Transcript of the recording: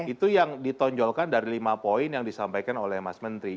itu yang ditonjolkan dari lima poin yang disampaikan oleh mas menteri